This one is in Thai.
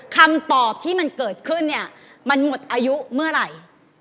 คำตอบที่มันเกิดขึ้นเนี่ยมันหมดอายุเมื่อไหร่